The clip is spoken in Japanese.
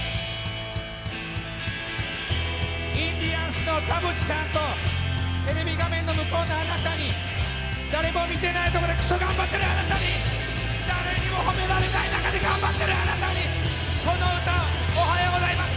インディアンスの田渕さんとテレビ画面の向こうのあなたに、誰も見てないところでくそ頑張ってるあなたに、誰にも褒められない中で頑張ってるあなたにこの歌、おはようございます。